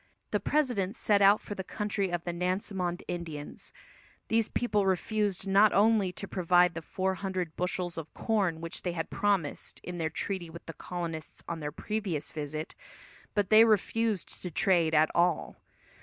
The president set out for the country of the Nansemond Indians. These people refused not only to provide the four hundred bushels of corn which they had promised in their treaty with the colonists on their previous visit, but they refused to trade at all.